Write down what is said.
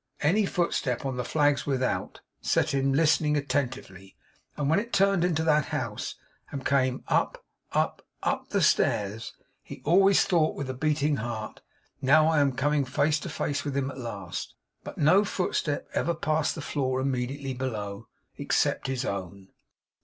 Any footstep on the flags without set him listening attentively and when it turned into that house, and came up, up, up the stairs, he always thought with a beating heart, 'Now I am coming face to face with him at last!' But no footstep ever passed the floor immediately below: except his own.